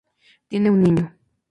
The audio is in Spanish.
Tienen un niño.